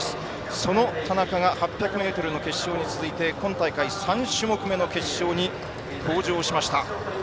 その田中が８００ｍの決勝に続いて今回、３種目目の決勝に登場しました。